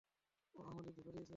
ও আমাদের ধোঁকা দিয়েছে।